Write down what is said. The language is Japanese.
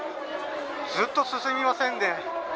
ずっと進みませんね。